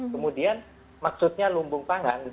kemudian maksudnya lumbung panggang